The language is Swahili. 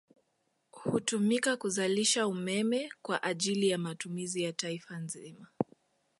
Hutumika kuzalisha umeme kwa ajili ya matumizi ya Taifa zima